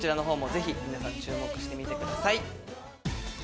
ぜひ注目してみてください。